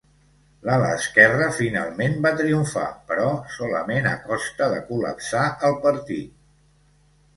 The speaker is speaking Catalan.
L'ala esquerra finalment va triomfar, però solament a costa de col·lapsar el partit.